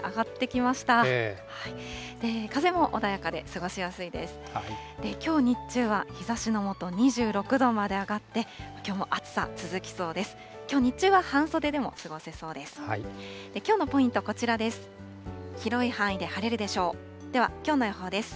きょう日中は、日ざしの下、２６度まで上がって、きょうも暑さ続きそうです。